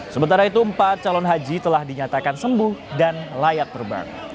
sementara itu empat calon haji telah dinyatakan sembuh dan layak terbang